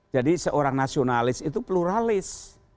jadi seorang nasionalis itu pluralis